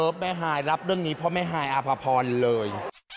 แม่ฮายรับเรื่องนี้เพราะแม่ฮายอภพรเลย